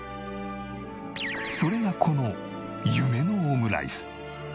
それがこの夢のオムライス。